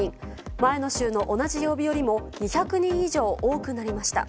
前の週の同じ曜日よりも２００人以上多くなりました。